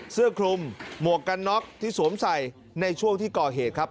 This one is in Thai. เสื้อคลุมหมวกกันน็อกที่สวมใส่ในช่วงที่ก่อเหตุครับ